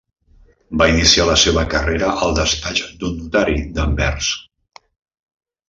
Va iniciar la seva carrera al despatx d'un notari d'Anvers.